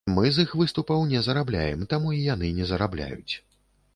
Мы з іх выступаў не зарабляем, таму і яны не зарабляюць.